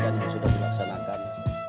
penyidik sudah melakukan